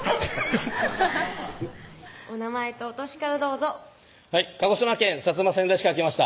お名前とお歳からどうぞはい鹿児島県摩川内市から来ました